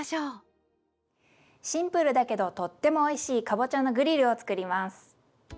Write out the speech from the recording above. シンプルだけどとってもおいしいかぼちゃのグリルを作ります。